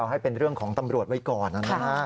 ให้เป็นเรื่องของตำรวจไว้ก่อนนะฮะ